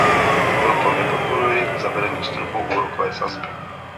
Proto nepodporuji zavedení stropu úrokové sazby.